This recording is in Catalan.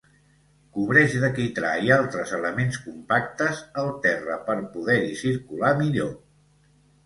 Cobreix de quitrà i altres elements compactes el terra per poder-hi circular millor.